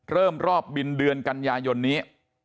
เริ่มรอบบินเดือนกันยายนนี้